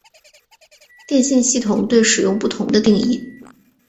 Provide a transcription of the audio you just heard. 电信系统对使用不同的定义。